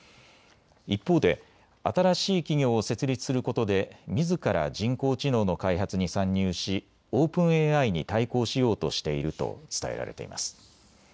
一方で新しい企業を設立することでみずから人工知能の開発に参入しオープンＡＩに対抗しようとしていると伝えられています。